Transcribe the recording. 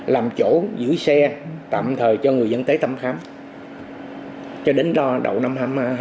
làm chỗ giữ xe tạm thời cho người dân tới thăm khám cho đến đầu năm hai nghìn hai mươi